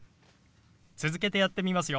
続けてやってみますよ。